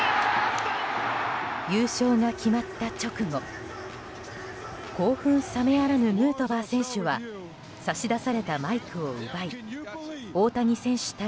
優勝が決まった直後興奮冷めやらぬヌートバー選手は差し出されたマイクを奪い大谷選手対